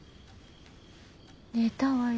寝たわよ。